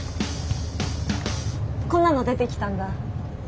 こんなの出てきたんだ。